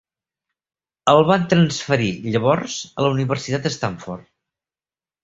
El van transferir llavors a la Universitat Stanford.